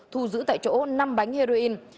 thu giữ tại chỗ năm bánh heroin